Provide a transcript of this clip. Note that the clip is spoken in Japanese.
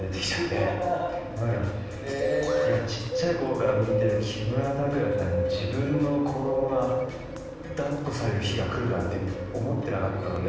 何かちっちゃいころから見てる木村拓哉さんに自分の子供が抱っこされる日が来るなんて思ってなかったので。